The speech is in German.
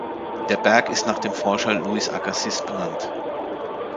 Der Berg ist nach dem Forscher Louis Agassiz benannt.